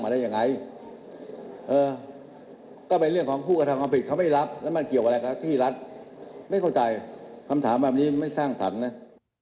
ไม่เข้าใจคำถามแบบนี้ไม่สร้างฐานนะ